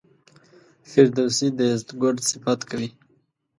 فردوسي د یزدګُرد صفت کوي.